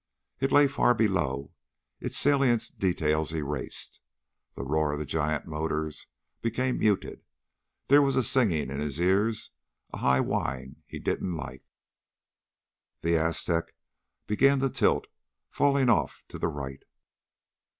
It lay far below, its salient details erased. The roar of the giant motors became muted. There was a singing in his ears, a high whine he didn't like. The Aztec began to tilt, falling off to the right.